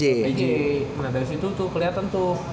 nah dari situ tuh keliatan tuh